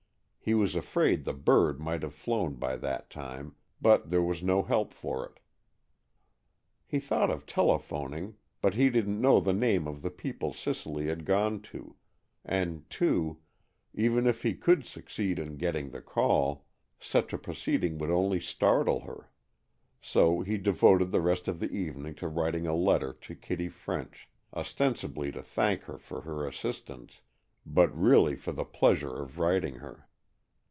He was afraid the bird might have flown by that time, but there was no help for it. He thought of telephoning, but he didn't know the name of the people Cicely had gone to, and too, even if he could succeed in getting the call, such a proceeding would only startle her. So he devoted the rest of the evening to writing a letter to Kitty French, ostensibly to thank her for her assistance, but really for the pleasure of writing her.